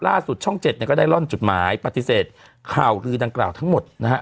ช่อง๗เนี่ยก็ได้ร่อนจดหมายปฏิเสธข่าวลือดังกล่าวทั้งหมดนะฮะ